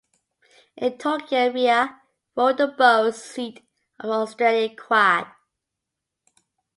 In Tokyo Ria rowed the bow seat of the Australian quad.